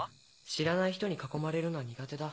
知らない人に囲まれるのは苦手だ。